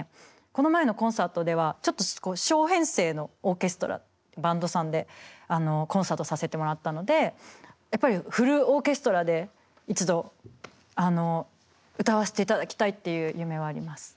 この前のコンサートではちょっと小編成のオーケストラバンドさんでコンサートさせてもらったのでやっぱりフルオーケストラで一度歌わせていただきたいっていう夢はあります。